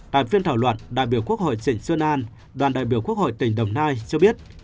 tại phiên thảo luận đại biểu quốc hội tỉnh xuân an đoàn đại biểu quốc hội tỉnh đồng nai cho biết